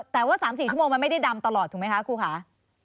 แต่ว่า๓๔ชั่วโมงมันไม่ได้ดำตลอดถูกไหมคะครูคะ